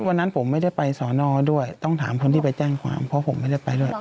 วันนั้นผมไม่ได้ไปสอนอด้วยต้องถามคนที่ไปแจ้งความเพราะผมไม่ได้ไปด้วย